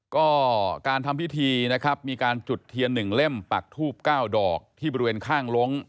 ก็การทำพิธีนะครับมีการจุดเทียน๑เล่มปักทูบ๙ดอกที่บริเวณข้างล้ง